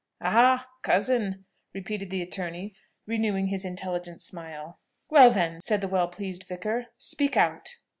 "Ah, cousin!" repeated the attorney, renewing his intelligent smile. "Well then," said the well pleased vicar, "speak out."